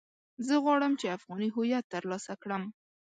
زه غواړم چې افغاني هويت ترلاسه کړم.